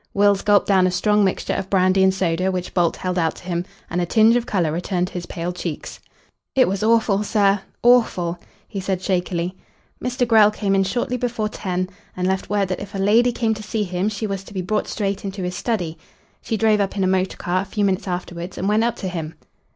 Wills gulped down a strong mixture of brandy and soda which Bolt held out to him, and a tinge of colour returned to his pale cheeks. "It was awful, sir awful," he said shakily. "Mr. Grell came in shortly before ten, and left word that if a lady came to see him she was to be brought straight into his study. She drove up in a motor car a few minutes afterwards and went up to him."